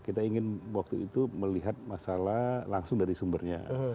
kita ingin waktu itu melihat masalah langsung dari sumbernya